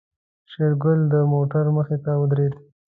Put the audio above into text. شېرګل د موټر مخې ته ودرېد.